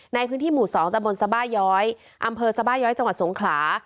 ในพื้นที่หมู่๒ตะบนสบาย้อยอำเภอสบาย้อยจังหวัดสงขลา